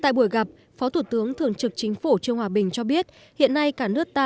tại buổi gặp phó thủ tướng thường trực chính phủ trương hòa bình cho biết hiện nay cả nước ta